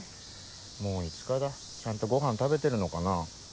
もう５日だちゃんとごはん食べてるのかな。